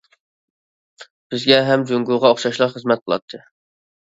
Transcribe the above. بىزگە ھەم جۇڭگوغا ئوخشاشلا خىزمەت قىلاتتى.